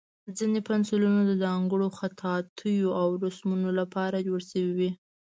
ځینې پنسلونه د ځانګړو خطاطیو او رسمونو لپاره جوړ شوي وي.